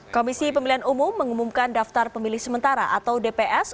komisi pemilihan umum mengumumkan daftar pemilih sementara atau dps